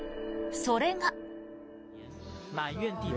それが。